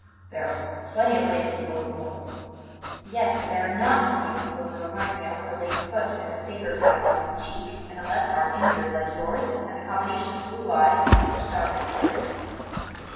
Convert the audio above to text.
"There are p plenty of lame people in the world." "Yes, but there are not plenty of people in the Romagna with a lame foot and a sabre cut across the cheek and a left arm injured like yours, and the combination of blue eyes with such dark colouring."